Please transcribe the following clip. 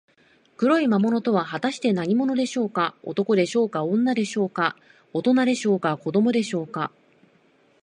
黒い魔物とは、はたして何者でしょうか。男でしょうか、女でしょうか、おとなでしょうか、子どもでしょうか。